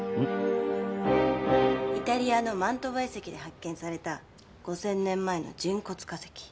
イタリアのマントヴァ遺跡で発見された５０００年前の人骨化石。